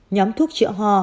nhóm thuốc chữa ho